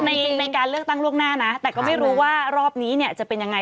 ในการเลือกตั้งล่วงหน้านะแต่ก็ไม่รู้ว่ารอบนี้เนี่ยจะเป็นยังไง